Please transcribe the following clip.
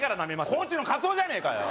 高知のカツオじゃねえかよ